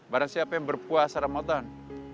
barang siapa yang berpuasa ramadan